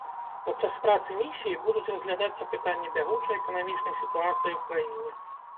Падчас працы місіі будуць разглядацца пытанні бягучай эканамічнай сітуацыі ў краіне.